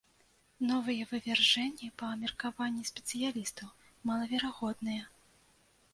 Новыя вывяржэнні, па меркаванні спецыялістаў, малаверагодныя.